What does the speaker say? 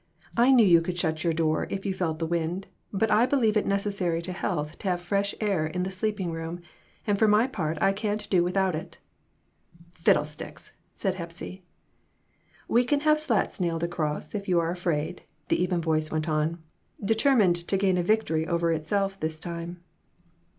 I knew you could shut your door if you felt the wind, but I believe it neces sary to health to have fresh air in a sleeping room, and for my part I can't do without it." "Fiddlesticks!" said Hepsy. "We can have slats nailed across, if you are ' afraid," the even voice went on, determined to gain a victory over itself this time.